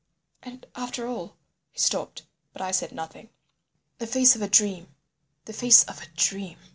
And after all—" He stopped—but I said nothing. "The face of a dream—the face of a dream.